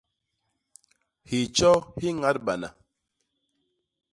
Hitjo hi ñadbana.